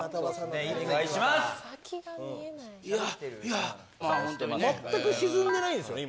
いやいや全く沈んでないですよね